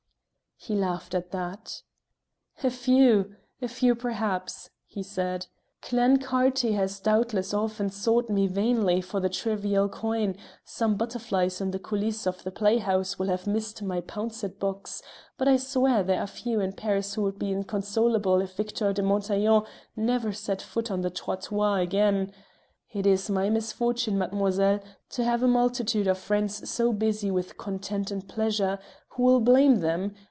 He laughed at that. "A few a few, perhaps," he said. "Clancarty has doubtless often sought me vainly for the trivial coin: some butterflies in the coulisse of the playhouse will have missed my pouncet box; but I swear there are few in Paris who would be inconsolable if Victor de Montaiglon never set foot on the trottoir again. It is my misfortune, mademoiselle, to have a multitude of friends so busy with content and pleasure who will blame them?